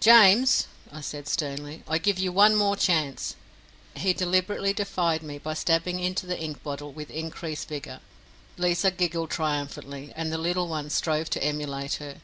"James," I said sternly, "I give you one more chance." He deliberately defied me by stabbing into the ink bottle with increased vigour. Liza giggled triumphantly, and the little ones strove to emulate her.